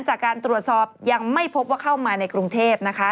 จากการตรวจสอบยังไม่พบว่าเข้ามาในกรุงเทพนะคะ